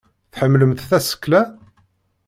Tḥemmlemt tasekla?